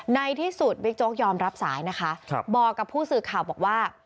ในที่สุดบิ๊กโจ๊กยอมรับสายนะคะบอกกับผู้สื่อข่าวบอกว่า